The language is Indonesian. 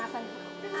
godapain gitu sih dia